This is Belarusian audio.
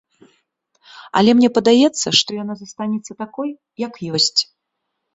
Але мне падаецца, што яна застанецца такой, як ёсць.